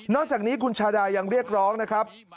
จากนี้คุณชาดายังเรียกร้องนะครับ